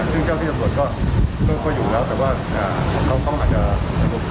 ซึ่งเจ้าที่สำหรับก็ก็อยู่แล้วแต่ว่าอ่าเขาเขาอาจจะ